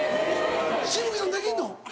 紫吹さんできんの？